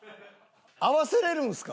合わせられるんですか？